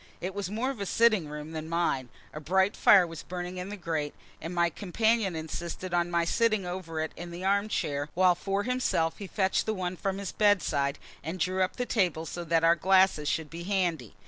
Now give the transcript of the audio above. It was more of a sitting room than mine; a bright fire was burning in the grate, and my companion insisted on my sitting over it in the arm chair, while for himself he fetched the one from his bedside, and drew up the table so that our glasses should be handy.